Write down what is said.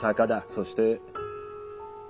そして。